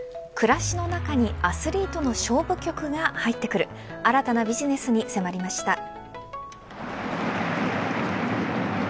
暮らしの中にアスリートの勝負曲が入ってくる新たなビジネスに迫りました。